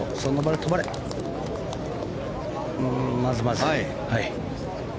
まずまず。